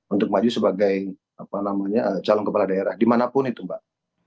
untuk maju sebagai calon kepala daerah dimanapun itu mbak